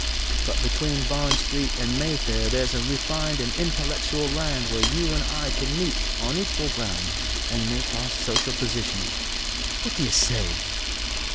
But between Barn Street and Mayfair there's a refined and intellectual land where you and I can meet on equal ground and make our social position. What do you say?"